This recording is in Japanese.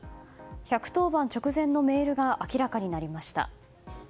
１１０番直前のメールが明らかになりました。